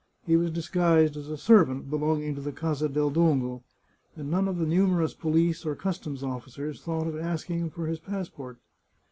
He was disguised as a servant be longing to the Casa del Dongo, and none of the numerous police or customs officers thought of asking him for his passport.